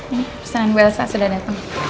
ini pesanan bu elsa sudah dateng